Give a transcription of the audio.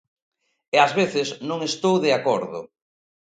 E ás veces non estou de acordo.